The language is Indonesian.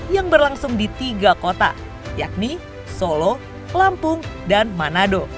yang berlangsung di tiga kota yakni solo lampung dan manado